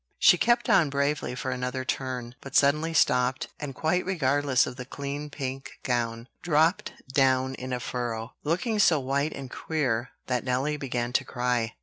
She kept on bravely for another turn; but suddenly stopped, and, quite regardless of the clean pink gown, dropped down in a furrow, looking so white and queer that Nelly began to cry.